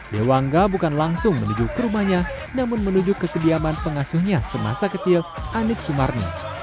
dewangga bukan langsung menuju ke rumahnya namun menuju ke kediaman pengasuhnya semasa kecil anik sumarni